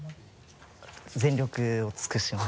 全力を尽くします。